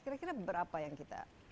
kira kira berapa yang kita